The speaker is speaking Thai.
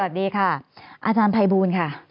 สวัสดีค่ะอาจารย์ภัยบูลค่ะ